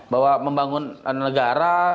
bahwa membangun negara